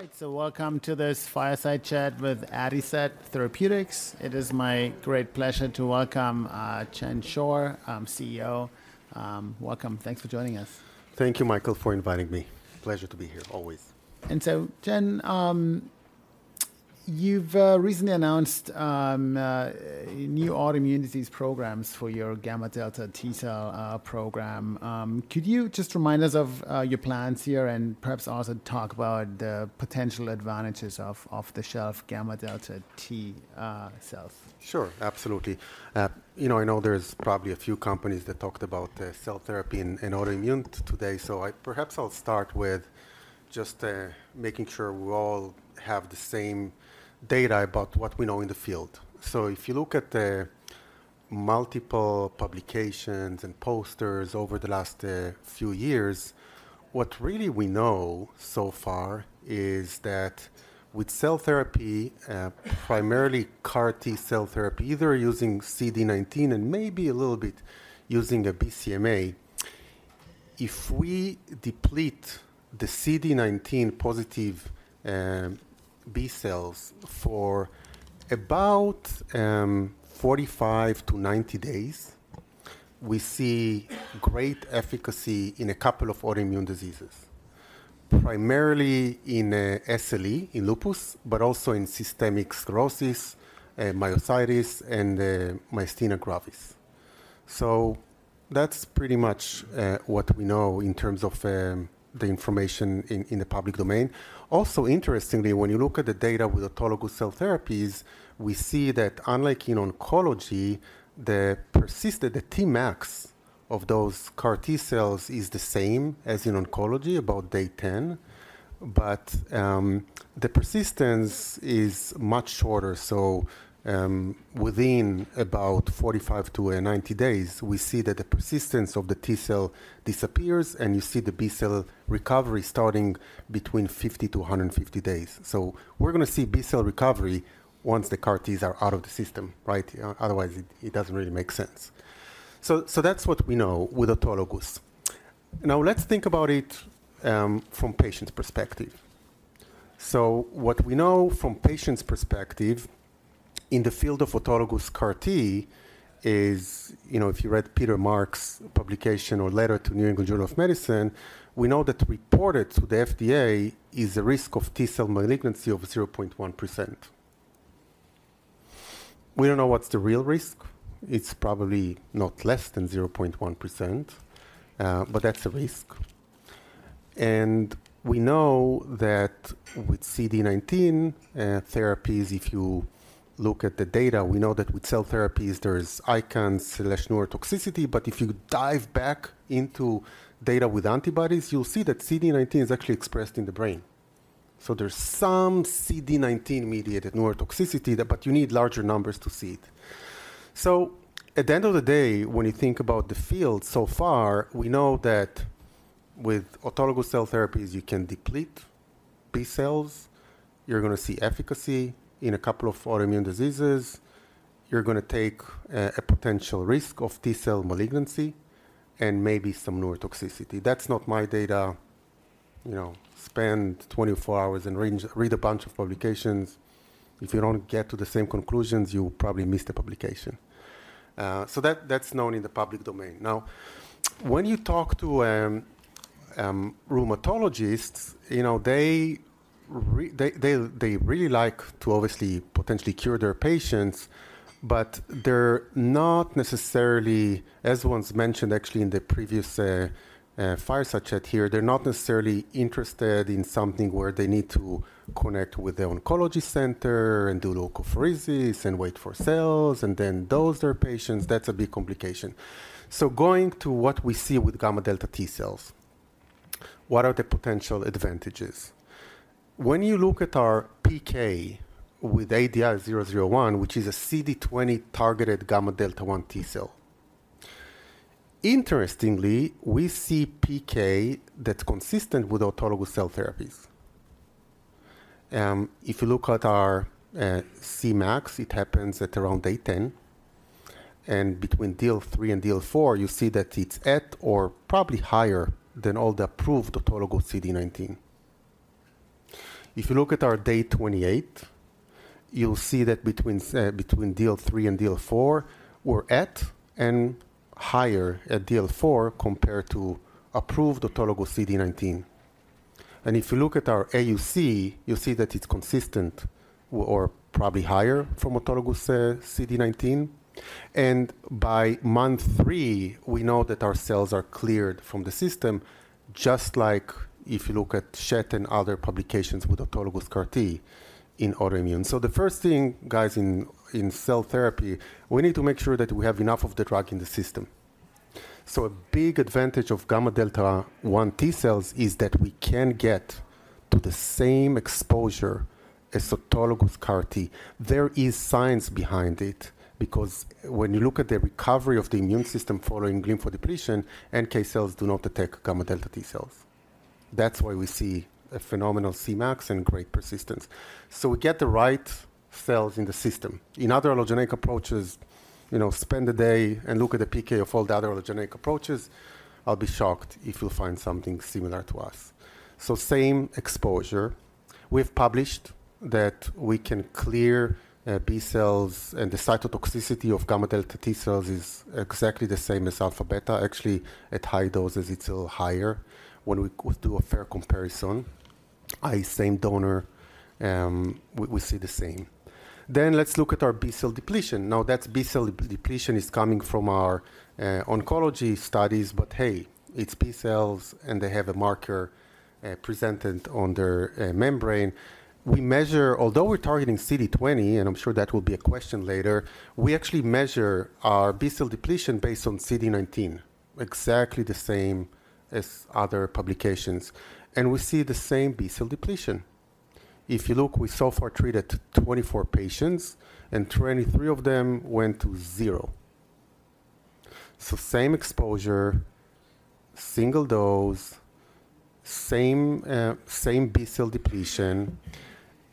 All right, so welcome to this fireside Schett with Adicet Therapeutics. It is my great pleasure to welcome Chen Schor, CEO. Welcome and thanks for joining us. Thank you, Michael, for inviting me. Pleasure to be here, always. And so, Chen, you've recently announced new autoimmune disease programs for your gamma delta T cell program. Could you just remind us of your plans here and perhaps also talk about the potential advantages of off-the-shelf gamma delta T cells? Sure, absolutely. You know, I know there's probably a few companies that talked about cell therapy and autoimmune today, so perhaps I'll start with just making sure we all have the same data about what we know in the field. So if you look at multiple publications and posters over the last few years, what really we know so far is that with cell therapy, primarily CAR T cell therapy, either using CD19 and maybe a little bit using a BCMA, if we deplete the CD19 positive B cells for about 45-90 days, we see great efficacy in a couple of autoimmune diseases, primarily in SLE, in lupus, but also in systemic sclerosis, myositis, and myasthenia gravis. So that's pretty much what we know in terms of the information in the public domain. Also, interestingly, when you look at the data with autologous cell therapies, we see that unlike in oncology, the persistence of the Tmax of those CAR T cells is the same as in oncology about day 10, but the persistence is much shorter. So, within about 45-90 days, we see that the persistence of the T cell disappears, and you see the B cell recovery starting between 50-150 days. So we're going to see B cell recovery once the CAR Ts are out of the system, right? Otherwise, it doesn't really make sense. So that's what we know with autologous. Now, let's think about it from patients' perspective. So what we know from patients' perspective in the field of autologous CAR T is, you know, if you read Peter Marks's publication or letter to New England Journal of Medicine, we know that reported to the FDA is a risk of T cell malignancy of 0.1%. We don't know what's the real risk. It's probably not less than 0.1%, but that's a risk. And we know that with CD19 therapies, if you look at the data, we know that with cell therapies there is ICANS/neurotoxicity, but if you dive back into data with antibodies, you'll see that CD19 is actually expressed in the brain. So there's some CD19-mediated neurotoxicity that, but you need larger numbers to see it. So at the end of the day, when you think about the field so far, we know that with autologous cell therapies you can deplete B cells, you're going to see efficacy in a couple of autoimmune diseases, you're going to take a potential risk of T cell malignancy and maybe some neurotoxicity. That's not my data. You know, spend 24 hours and read a bunch of publications. If you don't get to the same conclusions, you'll probably miss the publication. So that's known in the public domain. Now, when you talk to rheumatologists, you know, they really like to obviously potentially cure their patients, but they're not necessarily as one mentioned actually in the previous fireside chat here, they're not necessarily interested in something where they need to connect with the oncology center and do leukapheresis and wait for cells, and then dose their patients. That's a big complication. So going to what we see with gamma delta T cells, what are the potential advantages? When you look at our PK with ADI-001, which is a CD20-targeted gamma delta T cell, interestingly, we see PK that's consistent with autologous cell therapies. If you look at our Cmax, it happens at around day 10, and between DL3 and DL4 you see that it's at or probably higher than all the approved autologous CD19. If you look at our day 28, you'll see that between DL3 and DL4 we're at and higher at DL4 compared to approved autologous CD19. And if you look at our AUC, you'll see that it's consistent with or probably higher than autologous CD19. By month three, we know that our cells are cleared from the system, just like if you look at chat and other publications with autologous CAR T in autoimmune. So the first thing, guys, in cell therapy, we need to make sure that we have enough of the drug in the system. So a big advantage of gamma delta one T cells is that we can get to the same exposure as autologous CAR T. There is science behind it because when you look at the recovery of the immune system following lymphodepletion, NK cells do not attack gamma delta T cells. That's why we see a phenomenal Cmax and great persistence. So we get the right cells in the system. In other allogeneic approaches, you know, spend a day and look at the PK of all the other allogeneic approaches, I'll be shocked if you'll find something similar to us. So same exposure. We've published that we can clear B cells and the cytotoxicity of gamma delta T cells is exactly the same as alpha beta T cells. Actually, at high doses, it's a little higher when we do a fair comparison. Same donor, we see the same. Then let's look at our B cell depletion. Now, that's B cell depletion is coming from our oncology studies, but hey, it's B cells and they have a marker presented on their membrane. We measure although we're targeting CD20, and I'm sure that will be a question later, we actually measure our B cell depletion based on CD19, exactly the same as other publications, and we see the same B cell depletion. If you look, we so far treated 24 patients, and 23 of them went to zero. So same exposure, single dose, same, same B cell depletion.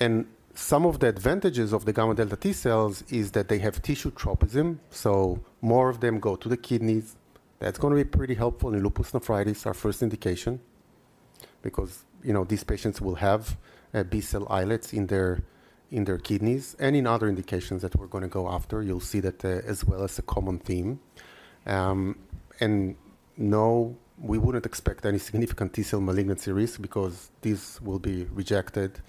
And some of the advantages of the gamma delta T cells is that they have tissue tropism, so more of them go to the kidneys. That's going to be pretty helpful in lupus nephritis, our first indication, because, you know, these patients will have B cell islets in their kidneys. And in other indications that we're going to go after, you'll see that, as well as a common theme. And no, we wouldn't expect any significant T cell malignancy risk because these will be rejected,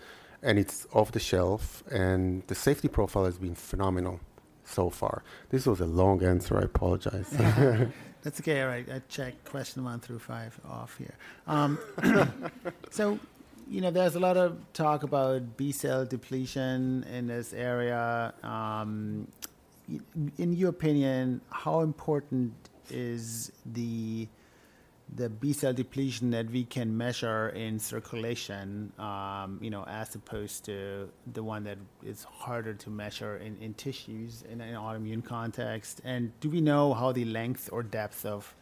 and it's off the shelf, and the safety profile has been phenomenal so far. This was a long answer. I apologize. Yeah. That's okay. All right. I checked question one through five off here. So, you know, there's a lot of talk about B cell depletion in this area. In your opinion, how important is the, the B cell depletion that we can measure in circulation, you know, as opposed to the one that is harder to measure in, in tissues in, in autoimmune context? And do we know how the length or depth of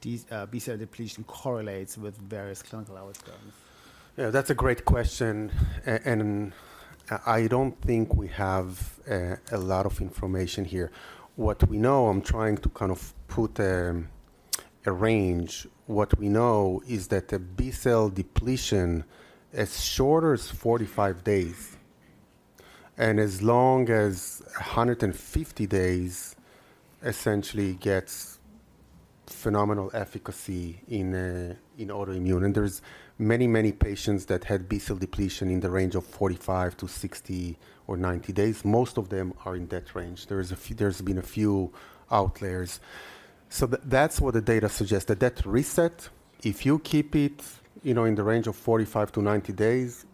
these, B cell depletion correlates with various clinical outcomes? Yeah, that's a great question. And I don't think we have a lot of information here. What we know, I'm trying to kind of put, arrange. What we know is that the B cell depletion, as short as 45 days and as long as 150 days, essentially gets phenomenal efficacy in autoimmune. And there's many, many patients that had B cell depletion in the range of 45 to 60 or 90 days. Most of them are in that range. There's been a few outliers. So that's what the data suggests, that that reset, if you keep it, you know, in the range of 45 to 90 days,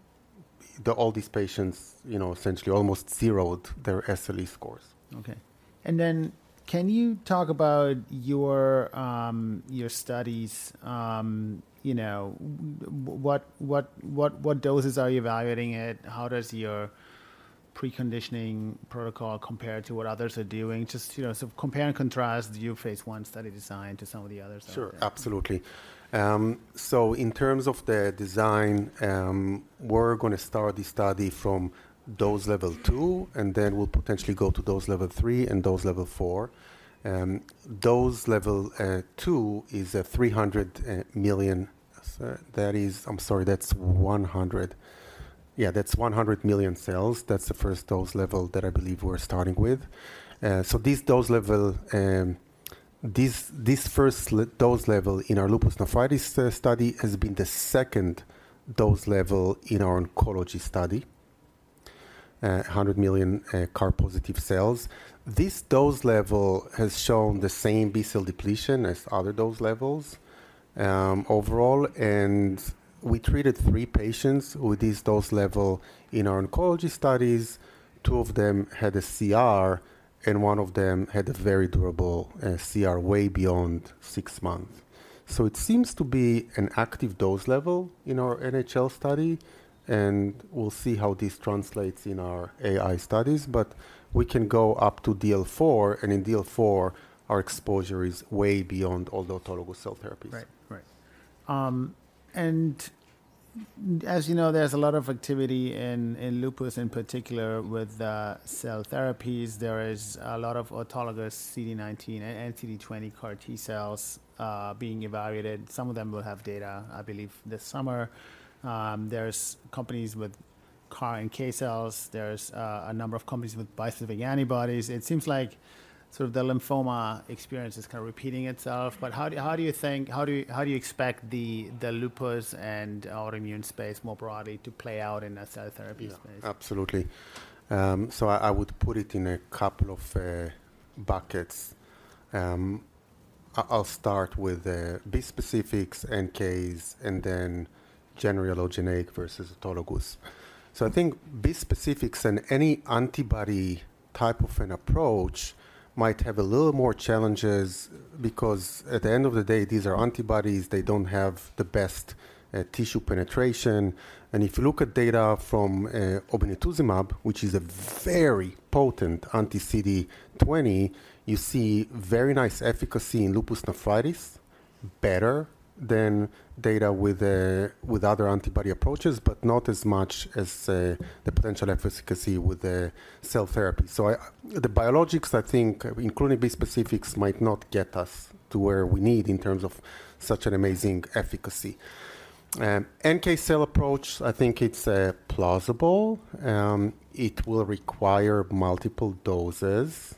all these patients, you know, essentially almost zeroed their SLE scores. Okay. And then can you talk about your, your studies, you know, what doses are you evaluating at? How does your preconditioning protocol compare to what others are doing? Just, you know, so compare and contrast the Phase 1 study design to some of the others out there. Sure. Absolutely. So in terms of the design, we're going to start the study from dose level 2, and then we'll potentially go to dose level 3 and dose level 4. Dose level 2 is a 300 million that is I'm sorry. That's 100 yeah, that's 100 million cells. That's the first dose level that I believe we're starting with. So these dose levels, this first dose level in our lupus nephritis study has been the second dose level in our oncology study, 100 million CAR positive cells. This dose level has shown the same B cell depletion as other dose levels, overall. And we treated three patients with this dose level in our oncology studies. Two of them had a CR, and one of them had a very durable CR way beyond six months. It seems to be an active dose level in our NHL study, and we'll see how this translates in our AI studies. We can go up to DL4, and in DL4, our exposure is way beyond all the autologous cell therapies. Right. Right. As you know, there's a lot of activity in lupus in particular with cell therapies. There is a lot of autologous CD19 and CD20 CAR T cells being evaluated. Some of them will have data, I believe, this summer. There are companies with CAR NK cells. There's a number of companies with bispecific antibodies. It seems like sort of the lymphoma experience is kind of repeating itself. But how do you think how do you expect the lupus and autoimmune space more broadly to play out in the cell therapy space? Yeah. Absolutely. So I would put it in a couple of buckets. I'll start with bispecifics, NKs, and then generally allogeneic versus autologous. So I think bispecifics and any antibody type of an approach might have a little more challenges because at the end of the day, these are antibodies. They don't have the best tissue penetration. And if you look at data from obinutuzumab, which is a very potent anti-CD20, you see very nice efficacy in lupus nephritis, better than data with other antibody approaches, but not as much as the potential efficacy with cell therapy. So the biologics, I think, including bispecifics, might not get us to where we need in terms of such an amazing efficacy. NK cell approach, I think it's plausible. It will require multiple doses.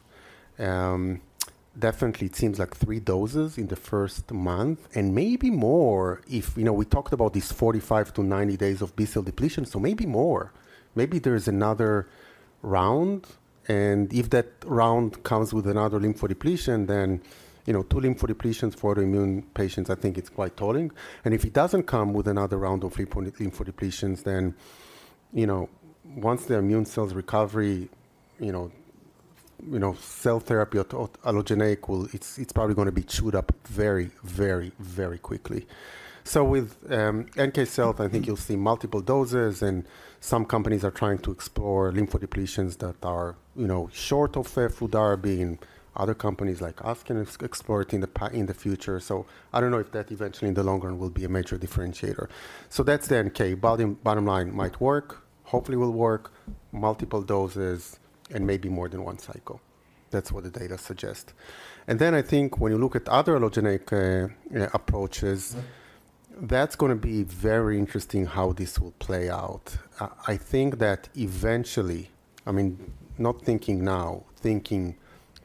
Definitely it seems like three doses in the first month and maybe more if, you know, we talked about these 45-90 days of B cell depletion, so maybe more. Maybe there's another round. And if that round comes with another lymphodepletion, then, you know, two lymphodepletions for autoimmune patients, I think it's quite tolling. And if it doesn't come with another round of lymphodepletions, then, you know, once the immune cells recovery, you know, cell therapy auto-allogenic will, it's probably going to be chewed up very, very, very quickly. So with NK cells, I think you'll see multiple doses. And some companies are trying to explore lymphodepletions that are, you know, short of fludarabine and other companies like us can explore it in the future. So I don't know if that eventually in the long run will be a major differentiator. So that's the NK. Bottom line might work. Hopefully, it will work multiple doses and maybe more than one cycle. That's what the data suggests and then I think when you look at other allogeneic approaches, that's going to be very interesting how this will play out. I think that eventually I mean, not thinking now, thinking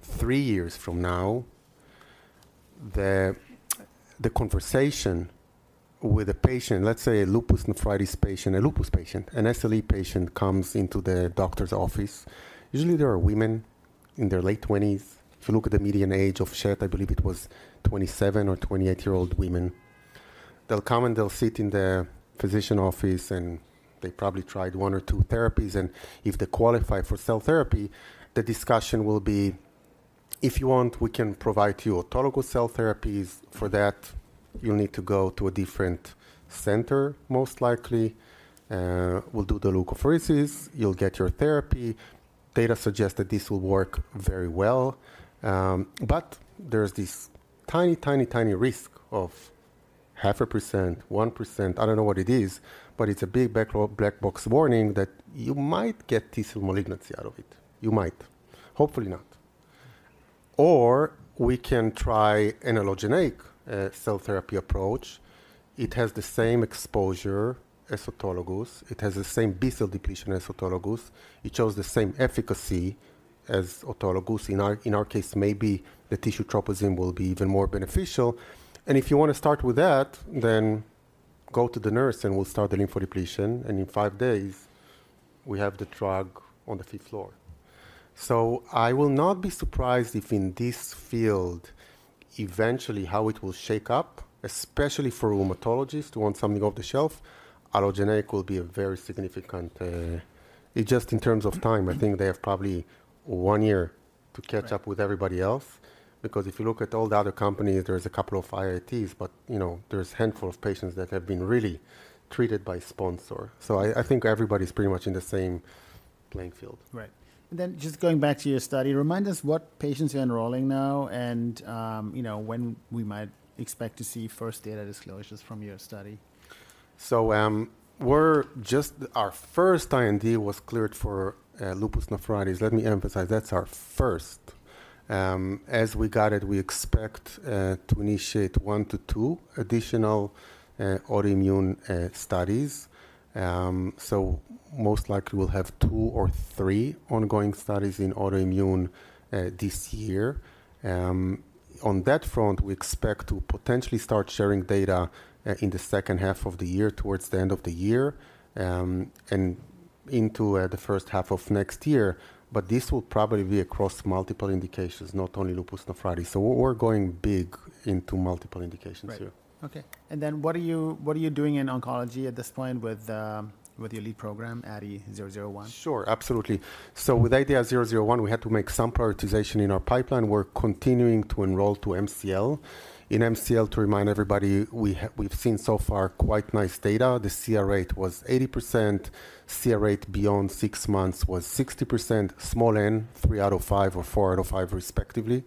three years from now, the conversation with a patient let's say a lupus nephritis patient, a lupus patient, an SLE patient comes into the doctor's office. Usually, there are women in their late 20s. If you look at the median age of SLE, I believe it was 27 or 28-year-old women. They'll come and they'll sit in the physician office, and they probably tried one or two therapies. And if they qualify for cell therapy, the discussion will be, "If you want, we can provide you autologous cell therapies. For that, you'll need to go to a different center, most likely. We'll do the leukapheresis, you'll get your therapy. Data suggests that this will work very well. But there's this tiny, tiny, tiny risk of 0.5%-1% I don't know what it is, but it's a big backlog black box warning that you might get T cell malignancy out of it. You might. Hopefully, not. Or we can try an allogeneic cell therapy approach. It has the same exposure as autologous. It has the same B cell depletion as autologous. It shows the same efficacy as autologous. In our in our case, maybe the tissue tropism will be even more beneficial. And if you want to start with that, then go to the nurse, and we'll start the lymphodepletion. And in five days, we have the drug on the fifth floor. So, I will not be surprised if, in this field, eventually, how it will shake up, especially for rheumatologists who want something off the shelf, allogeneic will be a very significant, just in terms of time. I think they have probably one year to catch up with everybody else. Because if you look at all the other companies, there's a couple of IITs, but, you know, there's a handful of patients that have been really treated by sponsor. So, I think everybody's pretty much in the same playing field. Right. And then just going back to your study, remind us what patients are enrolling now and, you know, when we might expect to see first data disclosures from your study. So, we're just our first IND was cleared for lupus nephritis. Let me emphasize. That's our first. As we got it, we expect to initiate one to two additional autoimmune studies. So most likely, we'll have two or three ongoing studies in autoimmune this year. On that front, we expect to potentially start sharing data in the second half of the year towards the end of the year, and into the first half of next year. But this will probably be across multiple indications, not only lupus nephritis. So we're going big into multiple indications here. Right. Okay. And then what are you what are you doing in oncology at this point with, with your lead program, ADI-001? Sure. Absolutely. So with ADI-001, we had to make some prioritization in our pipeline. We're continuing to enroll to MCL. In MCL, to remind everybody, we've seen so far quite nice data. The CR rate was 80%. CR rate beyond six months was 60%. Small N, three out of five or four out of five, respectively.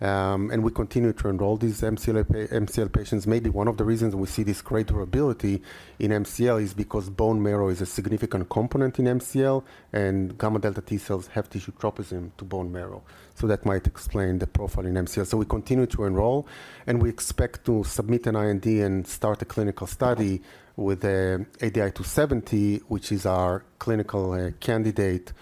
And we continue to enroll these MCL patients. Maybe one of the reasons we see this great durability in MCL is because bone marrow is a significant component in MCL, and gamma delta T cells have tissue tropism to bone marrow. So that might explain the profile in MCL. So we continue to enroll, and we expect to submit an IND and start a clinical study with ADI-270, which is our clinical candidate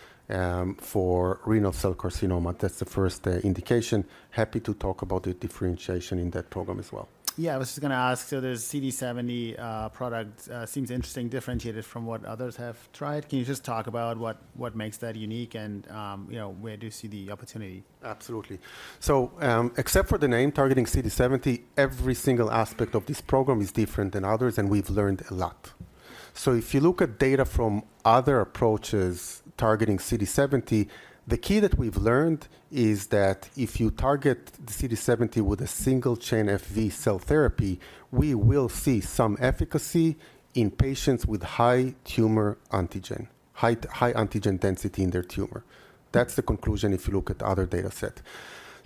for renal cell carcinoma. That's the first indication. Happy to talk about the differentiation in that program as well. Yeah. I was just going to ask, so there's CD70 product. It seems interesting, differentiated from what others have tried. Can you just talk about what makes that unique and, you know, where do you see the opportunity? Absolutely. So, except for the name targeting CD70, every single aspect of this program is different than others, and we've learned a lot. So if you look at data from other approaches targeting CD70, the key that we've learned is that if you target the CD70 with a single-chain FV cell therapy, we will see some efficacy in patients with high tumor antigen, high antigen density in their tumor. That's the conclusion if you look at the other data set.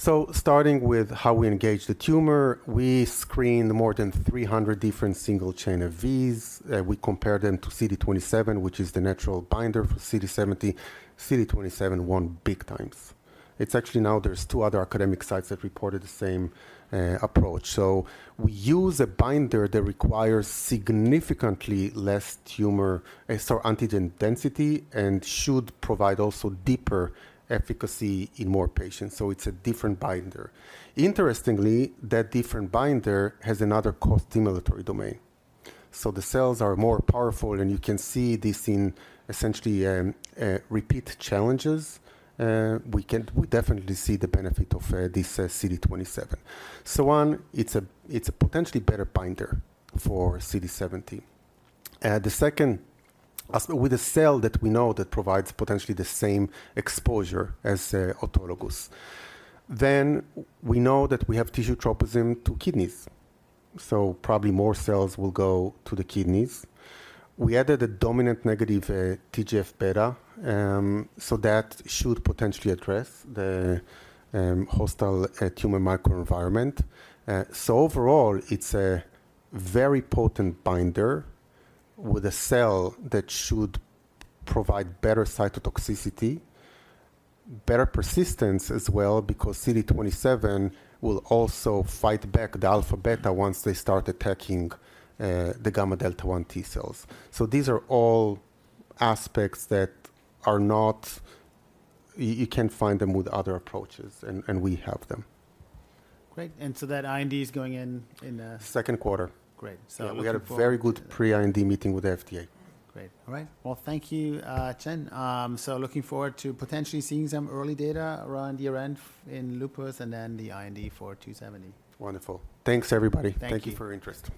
So starting with how we engage the tumor, we screen more than 300 different single-chain FVs. we compare them to CD27, which is the natural binder for CD70. CD27 won big times. It's actually now there's two other academic sites that reported the same approach. So we use a binder that requires significantly less tumor sorry, antigen density and should provide also deeper efficacy in more patients. So it's a different binder. Interestingly, that different binder has another co-stimulatory domain. So the cells are more powerful, and you can see this in essentially repeat challenges. We definitely see the benefit of this CD27. So one, it's a potentially better binder for CD70. The second, as with a cell that we know that provides potentially the same exposure as autologous, then we know that we have tissue tropism to kidneys. So probably more cells will go to the kidneys. We added a dominant negative TGF beta, so that should potentially address the hostile tumor microenvironment. So overall, it's a very potent binder with a cell that should provide better cytotoxicity, better persistence as well, because CD27 will also fight back the alpha beta once they start attacking the gamma delta one T cells. These are all aspects that are not you. You can't find them with other approaches, and we have them. Great. And so that IND is going in. Second quarter. Great. So we had a very good pre-IND meeting with the FDA. Great. All right. Well, thank you, Chen. Looking forward to potentially seeing some early data around year-end in lupus and then the IND for 270. Wonderful. Thanks, everybody. Thank you. Thank you for your interest.